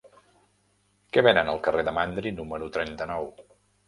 Què venen al carrer de Mandri número trenta-nou?